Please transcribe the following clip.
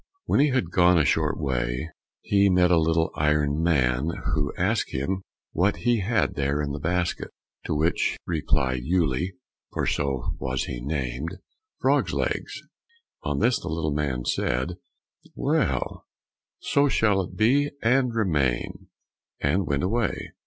When he had gone a short way he met a little iron man who asked him what he had there in the basket, to which replied Uele, for so was he named, "Frogs' legs." On this the little man said, "Well, so shall it be, and remain," and went away.